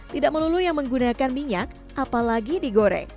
tidak melulu yang menggunakan minyak apalagi digoreng